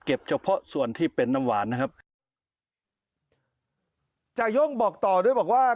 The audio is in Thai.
เฉพาะส่วนที่เป็นน้ำหวานนะครับจ่าย่งบอกต่อด้วยบอกว่า